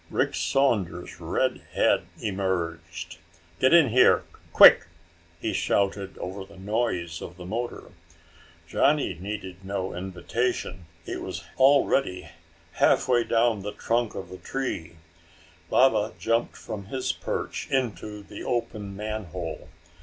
Rick Saunders' red head emerged. "Get in here! Quick!" he shouted over the noise of the motor. Johnny needed no invitation. He was already halfway down the trunk of the tree. Baba jumped from his perch into the open manhole.